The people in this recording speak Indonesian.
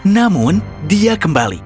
namun dia kembali